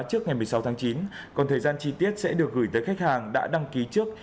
trước ngày một mươi sáu tháng chín còn thời gian chi tiết sẽ được gửi tới khách hàng đã đăng ký trước